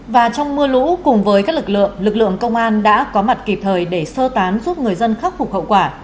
và trong mưa lũ cùng với các lực lượng lực lượng công an đã có mặt kịp thời để sơ tán giúp người dân khắc phục hậu quả